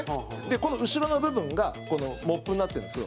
この後ろの部分がモップになってるんですよ。